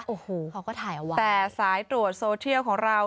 โอ้โหเขาก็ถ่ายเอาไว้แต่สายตรวจโซเทียลของเรา